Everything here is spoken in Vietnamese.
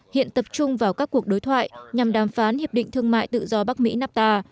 hiện tập trung vào các cuộc đối thoại nhằm đàm phán hiệp định thương mại tự do bắc mỹ nafta